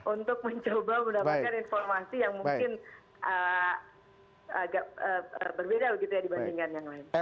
untuk mencoba mendapatkan informasi yang mungkin agak berbeda begitu ya dibandingkan yang lain